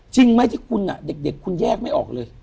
จริงไหมที่คุณเด็กคุณแยกไม่ออกเลย